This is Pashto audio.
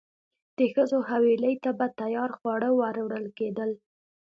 د ښځو حویلۍ ته به تیار خواړه وروړل کېدل.